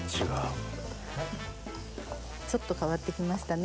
ちょっと変わって来ましたね。